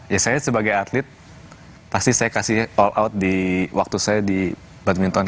ya saya sebagai atlet pasti saya kasih all out di waktu saya di badminton